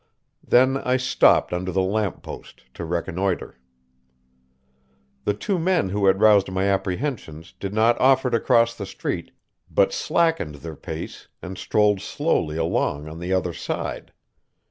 Then I stopped under the lamp post to reconnoiter. The two men who had roused my apprehensions did not offer to cross the street, but slackened their pace and strolled slowly along on the other side.